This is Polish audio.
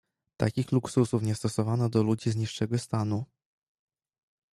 "Takich luksusów nie stosowano do ludzi z niższego stanu."